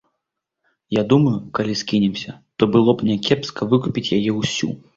Я думаю, калі скінемся, то было б някепска выкупіць яе ўсю.